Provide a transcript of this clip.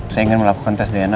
saya ingin melakukan tes dna